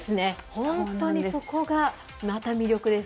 本当にそこがまた魅力です。